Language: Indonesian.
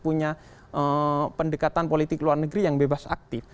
punya pendekatan politik luar negeri yang bebas aktif